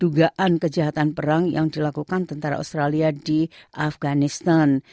dugaan kejahatan perang yang dilakukan tentara australia di afganistan